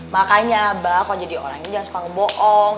makanya mbak kalau jadi orang ini jangan suka ngeboong